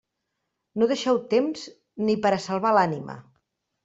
No deixeu temps ni per a salvar l'ànima.